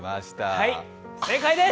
はい、正解です！